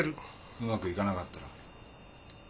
うまくいかなかったら？